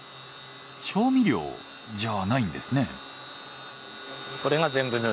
調味料じゃないんですね。